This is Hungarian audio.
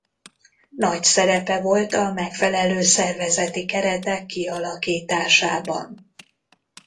Nagy szerepe volt a megfelelő szervezeti keretek kialakításában.